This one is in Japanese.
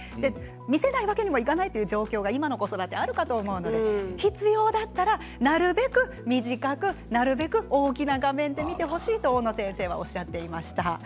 見せないわけにはいかない状況があるかと思いますけれど必要があったらなるべく短くなるべく大きな画面で見てほしいと高野先生がおっしゃっていました。